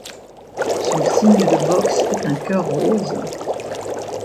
Son signe de box est un cœur rose.